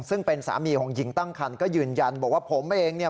ซึ่งเป็นสามีของหญิงตั้งคันก็ยืนยันบอกว่าผมเองเนี่ย